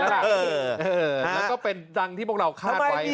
แล้วก็เป็นดังที่พวกเราคาดไว้